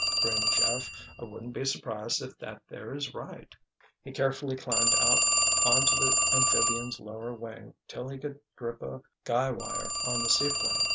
grinned Jeff. "I wouldn't be surprised if that there is right." He carefully climbed out onto the amphibian's lower wing till he could grip a guy wire on the seaplane.